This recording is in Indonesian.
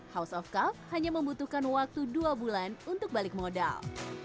house of cup hanya membutuhkan waktu dua bulan untuk balik modal